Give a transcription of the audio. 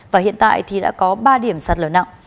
và hiện tại thì đã có ba điểm sạt lở nặng